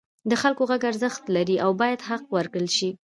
د خلکو غږ ارزښت لري او باید حق ورکړل شي.